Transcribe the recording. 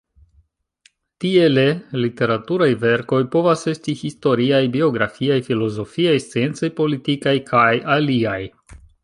Tiele literaturaj verkoj povas esti historiaj, biografiaj, filozofiaj, sciencaj, politikaj, kaj aliaj.